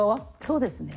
そうですね。